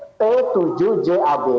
yang di tengah raih jenis bomber